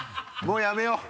もうやめよう。